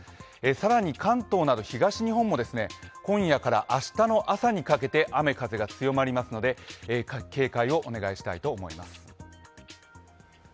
更に関東など東日本も今夜から明日の朝にかけて雨風が強まりますので、警戒をお願いしたいと思います。